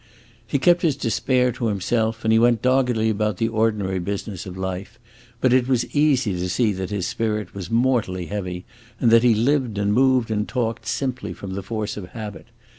He kept his despair to himself, and he went doggedly about the ordinary business of life; but it was easy to see that his spirit was mortally heavy, and that he lived and moved and talked simply from the force of habit.